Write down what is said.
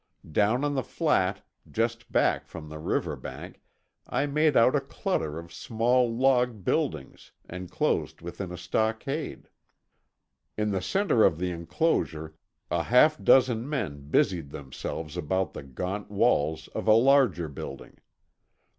Down on the flat, just back from the river bank, I made out a clutter of small log buildings enclosed within a stockade. In the center of the enclosure a half dozen men busied themselves about the gaunt walls of a larger building.